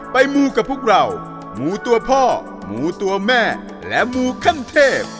มูกับพวกเราหมูตัวพ่อหมูตัวแม่และหมูขั้นเทพ